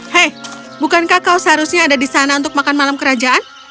hei bukankah kau seharusnya ada di sana untuk makan malam kerajaan